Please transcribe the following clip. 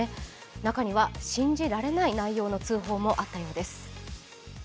中には、信じられない内容の通報もあったようです。